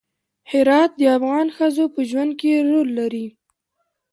هرات د افغان ښځو په ژوند کې رول لري.